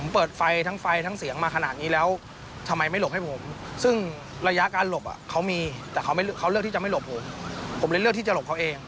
ผมเลือกที่จะหลบเขาเอง